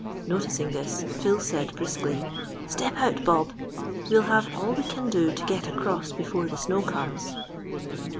Noticing this, Phil said briskly,— "Step out, Bob; we'll have all we can do to get across before the snow comes."